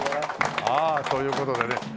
ああという事でね